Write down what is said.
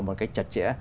một cách chặt chẽ